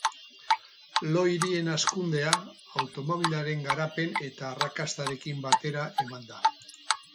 Lo-hirien hazkundea automobilaren garapen eta arrakastarekin batera eman da.